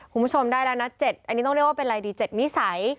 คุณผู้ชมได้แล้วนะ๗อันนี้ต้องเรียกว่าเป็นอะไรดี๗นิสัย